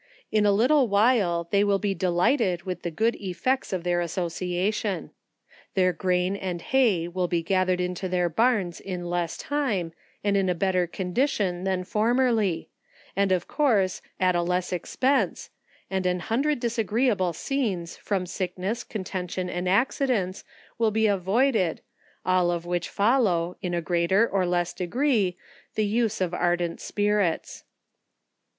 In a little while they will be delighted with the good effects of their association. Their grain and hay will be gathered into their barns in less time, and in a better condition than formerly and of course at a less expense, and an hundred disagreeable scenes from sickness, contention and accidents, will be avoided, all of which follow in a greater or less degree the use of ardent spirits.